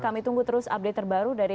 kami tunggu terus update terbaru dari